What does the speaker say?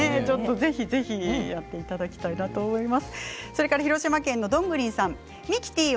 ぜひぜひやっていただきたいなと思います。